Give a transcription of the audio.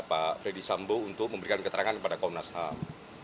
pak freddy sambo untuk memberikan keterangan kepada komnas ham